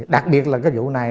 đặc biệt là cái vụ này